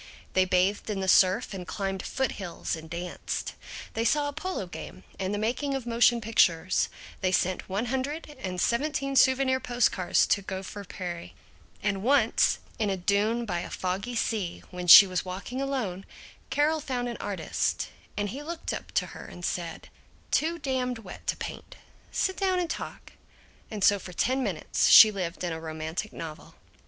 They bathed in the surf and climbed foothills and danced, they saw a polo game and the making of motion pictures, they sent one hundred and seventeen souvenir post cards to Gopher Prairie, and once, on a dune by a foggy sea when she was walking alone, Carol found an artist, and he looked up at her and said, "Too damned wet to paint; sit down and talk," and so for ten minutes she lived in a romantic novel.